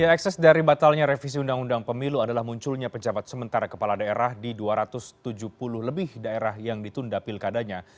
ekses dari batalnya revisi undang undang pemilu adalah munculnya penjabat sementara kepala daerah di dua ratus tujuh puluh lebih daerah yang ditunda pilkadanya